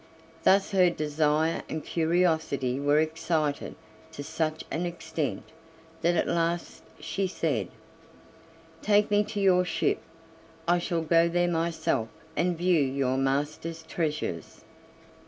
Thus her desire and curiosity were excited to such an extent that at last she said: "Take me to your ship; I shall go there myself and view your master's treasures."